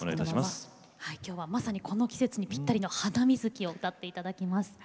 きょうはまさにこの季節にぴったりの「ハナミズキ」を歌っていただきます。